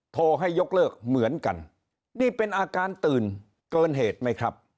โทรให้ยกเลิกเหมือนกันนี่เป็นอาการตื่นเกินเหตุไหมครับ